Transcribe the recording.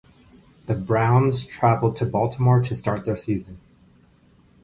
The Browns traveled to Baltimore to start their season.